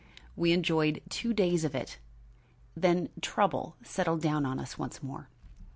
We enjoyed two days of it, then trouble settled down on us once more.